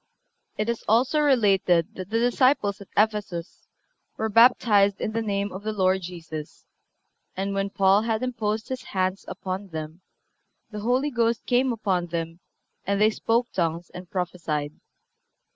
(354) It is also related that the disciples at Ephesus "were baptized in the name of the Lord Jesus, and when Paul had imposed his hands upon them the Holy Ghost came upon them and they spoke tongues and prophesied."